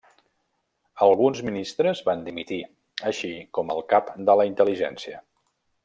Alguns ministres van dimitir així com el cap de la intel·ligència.